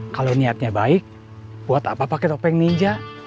kalau niatnya baik buat apa pakai topeng ninja